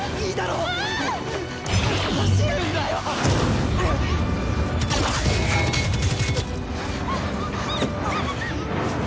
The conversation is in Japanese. うっ！